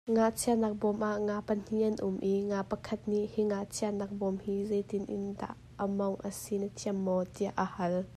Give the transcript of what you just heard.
Ngachiahnak bawm ah nga pahnih an um i nga pakhat nih, "hi ngachiahnak bawm hi zei tiin dah a mawngh a si na thiam maw?" tiah a hal.